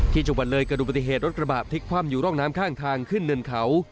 จังหวัดเลยเกิดดูปฏิเหตุรถกระบะพลิกคว่ำอยู่ร่องน้ำข้างทางขึ้นเนินเขา